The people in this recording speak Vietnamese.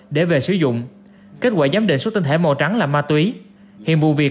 để về sử dụng kết quả giám định số tinh thể màu trắng là ma túy hiện vụ việc